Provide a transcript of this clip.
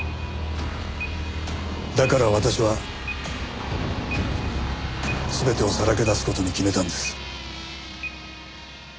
だから私は全てをさらけ出す事に決めたんです。